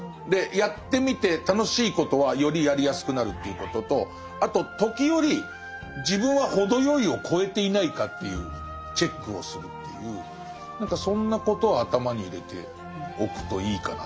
やってみて楽しいことはよりやりやすくなるということとあと時折自分は程よいを超えていないかというチェックをするっていう何かそんなことを頭に入れておくといいかな。